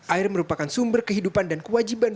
air merupakan sumber kehidupan dan kewajiban